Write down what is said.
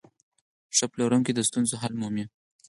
ښه پلورونکی د ستونزو حل مومي.